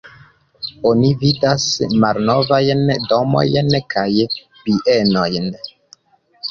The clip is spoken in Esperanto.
Oni vidas malnovajn domojn kaj bienojn.